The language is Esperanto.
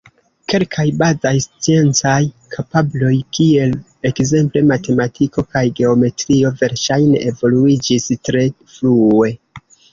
Kelkaj bazaj sciencaj kapabloj, kiel ekzemple matematiko kaj geometrio, verŝajne evoluiĝis tre frue.